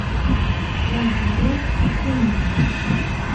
Ямғырлы көн ине.